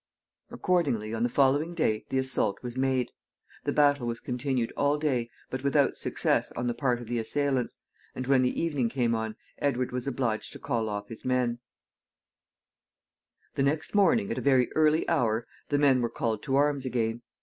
Accordingly, on the following day the assault was made. The battle was continued all day, but without success on the part of the assailants, and when the evening came on Edward was obliged to call off his men. [Illustration: STORMING OF THE CASTLE OF ROMORANTIN.] The next morning, at a very early hour, the men were called to arms again.